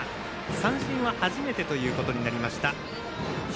三振は初めてということになりました光